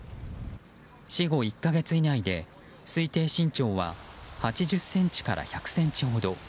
死後１か月以内で推定身長は８０ｃｍから１００ｃｍ程。